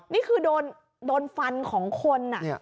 นี่คือโดนฟันของคน